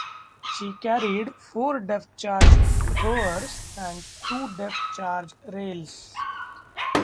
She carried four depth charge throwers and two depth charge rails.